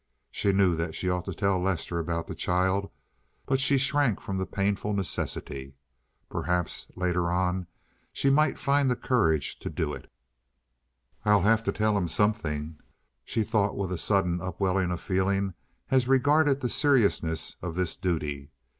She knew that she ought to tell Lester about the child, but she shrank from the painful necessity. Perhaps later on she might find the courage to do it. "I'll have to tell him something," she thought with a sudden upwelling of feeling as regarded the seriousness of this duty.